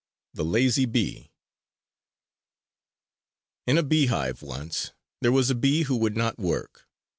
THE LAZY BEE In a beehive once there was a bee who would not work.